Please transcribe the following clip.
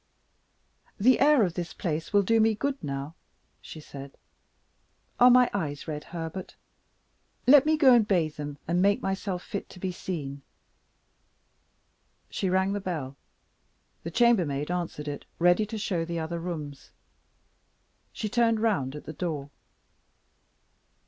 "The air of this place will do me good now," she said. "Are my eyes red, Herbert? Let me go and bathe them, and make myself fit to be seen." She rang the bell. The chambermaid answered it, ready to show the other rooms. She turned round at the door.